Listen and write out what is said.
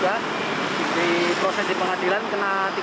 jadi proses di pengadilan